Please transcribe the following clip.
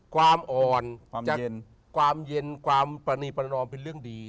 ความอ่อนความเย็นความประณีประนอมเป็นเรื่องดี